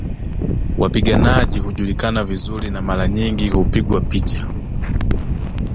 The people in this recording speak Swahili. Wapiganaji hujulikana vizuri na mara nyingi hupigwa picha